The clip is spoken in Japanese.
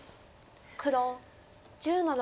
黒１０の六ノビ。